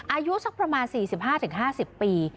อายุสักประมาณ๔๕๕๐ปี